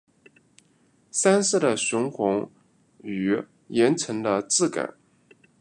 山势的雄浑与岩层的质感